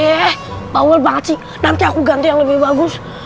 yeay power banget sih nanti aku ganti yang lebih bagus